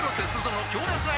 の